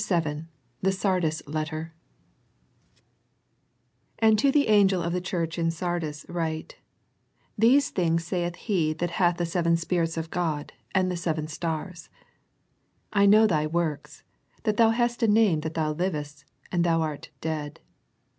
\ THE SARDIS LETTER "And to the angel of the church in Sardis write; " These things saith He that hath the seven Spirits of God, and the seven stars : I know thy works, that thou hast a name that thou Hvest, and thou art dead.